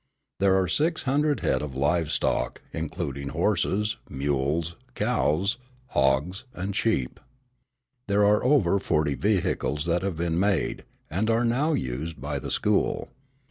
There are six hundred head of live stock, including horses, mules, cows, hogs, and sheep. There are over forty vehicles that have been made, and are now used, by the school.